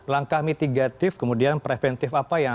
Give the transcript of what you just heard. langkah mitigatif kemudian preventif apa yang